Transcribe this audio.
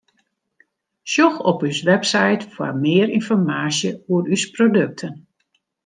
Sjoch op ús website foar mear ynformaasje oer ús produkten.